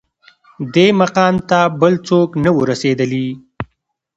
دې مقام ته بل څوک نه وه رسېدلي